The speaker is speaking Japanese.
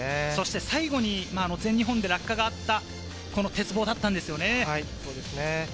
最後に全日本で落下があった、この鉄棒だったんですよね。